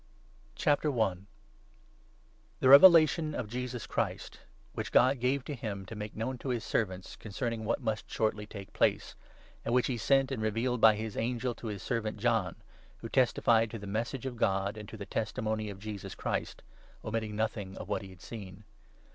THE REVELATION OF JOHN. The Revelation of Jesus Christ, which God gave to him to make known to his servants, concerning what must shoitly take place, and which he sent and revealed by his angel to his servant John, who testified to the Message of God and to the testimony to Jesus Christ, omitting nothing of what he had seen.